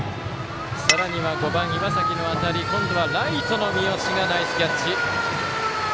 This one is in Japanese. さらには５番、岩崎の当たり今度はライトの三好がナイスキャッチ。